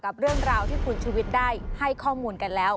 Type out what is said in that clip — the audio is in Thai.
กับเรื่องราวที่คุณชุวิตได้ให้ข้อมูลกันแล้ว